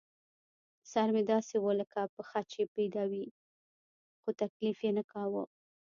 سر مې داسې و لکه پښه چې بېده وي، خو تکلیف یې نه کاوه.